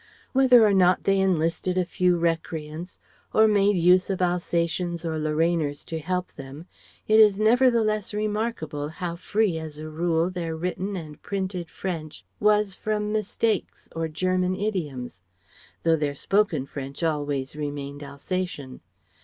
Whether or not they enlisted a few recreants, or made use of Alsatians or Lorrainers to help them, it is never the less remarkable how free as a rule their written and printed French was from mistakes or German idioms; though their spoken French always remained Alsatian.